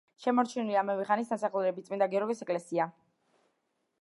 შემორჩენილია ამავე ხანის ნასახლარები და წმინდა გიორგის ეკლესია.